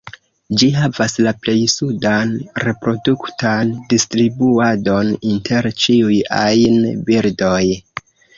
Ĝi havas la plej sudan reproduktan distribuadon inter ĉiuj ajn birdoj.